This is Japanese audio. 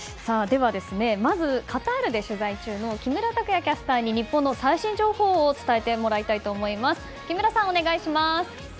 では、まずカタールで取材中の木村拓也キャスターに日本の最新情報を伝えてもらいます。